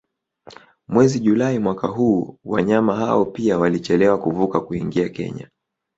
Mwezi Julai mwaka huu wanyama hao pia walichelewa kuvuka kuingia Kenya